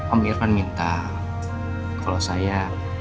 om irman minta kalau saya